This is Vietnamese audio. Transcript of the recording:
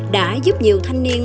đã giúp nhiều thanh niên